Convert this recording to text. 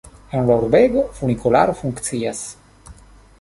En la urbego funikularo funkcias.